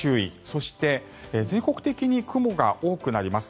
そして全国的に雲が多くなります。